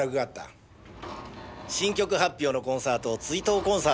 「新曲発表のコンサートを追悼コンサートにする事にした」。